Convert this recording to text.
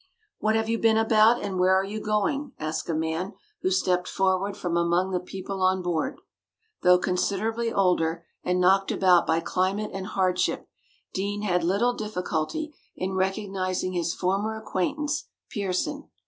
"What have you been about, and where are you going?" asked a man who stepped forward from among the people on board. Though considerably older, and knocked about by climate and hardship, Deane had little difficulty in recognising his former acquaintance Pearson.